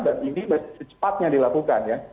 dan ini secepatnya dilakukan ya